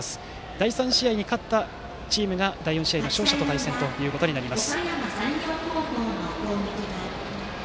第３試合に勝ったチームが第４試合の勝者と対戦となります。